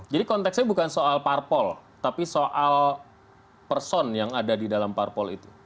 jadi konteksnya bukan soal parpol tapi soal person yang ada di dalam parpol itu